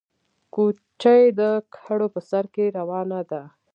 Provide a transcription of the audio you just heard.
کوچۍ د کډو په سر کې روانه ده